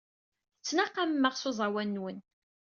Tettnaqamem-aɣ s uẓawan-nwen.